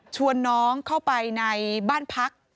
ชวนน้องเข้าไปในบ้านพัก